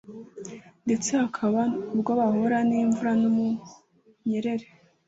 ndetse hakaba ubwo bahura n’imvura n’ubunyereri